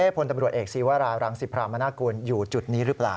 พลตำรวจเอกศีวรารังสิพรามนากุลอยู่จุดนี้หรือเปล่า